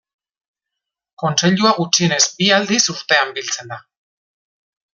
Kontseilua gutxienez bi aldiz urtean biltzen da.